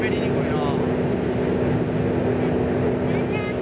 な？